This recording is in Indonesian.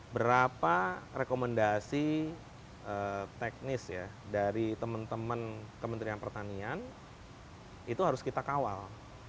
berapa rekomendasi teknis ya dari teman teman kementerian pertanian itu harus kita kawal